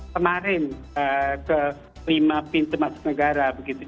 kemarin ke lima pintu masuk negara begitu